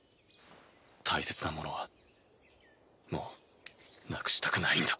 大切なものはもうなくしたくないんだ。